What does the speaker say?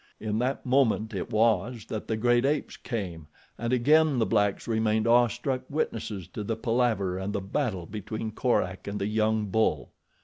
In that moment it was that the great apes came and again the blacks remained awestruck witnesses to the palaver, and the battle between Korak and the young bull.